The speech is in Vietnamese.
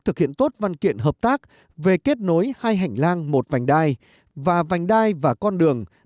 thực hiện tốt văn kiện hợp tác về kết nối hai hành lang một vành đai và vành đai và con đường